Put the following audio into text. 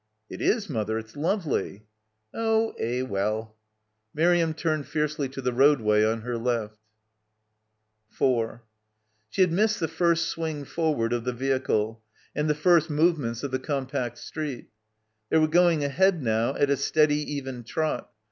It is, mother, it's lovely." "Oh— eh— well." — 17 —"( «1 PILGRIMAGE Miriam turned fiercely to the roadway on her left, 4 She had missed the first swing forward of the vehicle and the first movements of the compact street. They were going ahead now at a steady even trot.